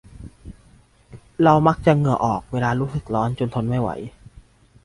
เรามักจะเหงื่อออกเวลารู้สึกร้อนจนทนไม่ไหว